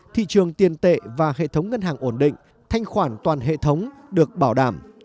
thị trường tiền tệ và hệ thống ngân hàng ổn định thanh khoản toàn hệ thống được bảo đảm